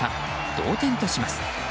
同点とします。